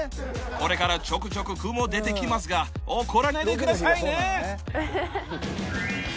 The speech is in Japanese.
これからちょくちょく雲出てきますが怒らないでくださいね